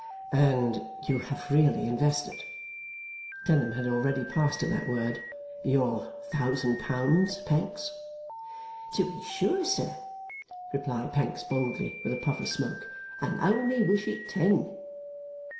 'And you have really invested,' Clennam had already passed to that word, 'your thousand pounds, Pancks?' 'To be sure, sir!' replied Pancks boldly, with a puff of smoke. 'And only wish it ten!